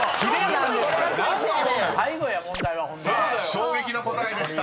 ［衝撃の答えでした。